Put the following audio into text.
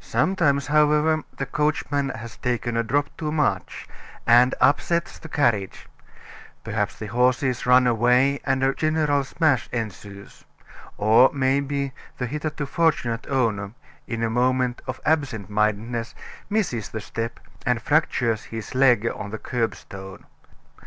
Sometimes, however, the coachman has taken a drop too much, and upsets the carriage; perhaps the horses run away and a general smash ensues; or, maybe, the hitherto fortunate owner, in a moment of absent mindedness, misses the step, and fractures his leg on the curbstone.